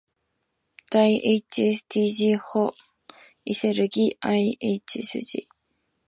だそい ｈｓｄｇ ほ；いせるぎ ｌｈｓｇ